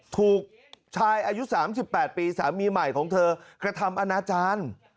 ถูกชายอายุ๓๘ปีสามีใหม่ของเธอกระทำอนาจารย์